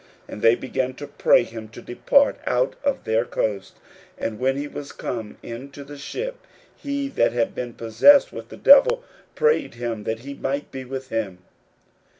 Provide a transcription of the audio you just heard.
41:005:017 And they began to pray him to depart out of their coasts. 41:005:018 And when he was come into the ship, he that had been possessed with the devil prayed him that he might be with him.